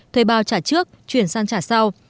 thuê bao trả trước chuyển sang trả sau